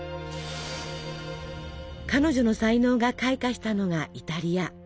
彼女の才能が開花したのがイタリア。